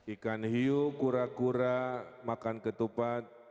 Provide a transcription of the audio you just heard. ikan hiu kura kura makan ketupat